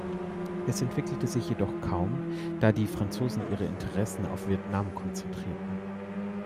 Es entwickelte sich jedoch kaum, da die Franzosen ihre Interessen auf Vietnam konzentrierten.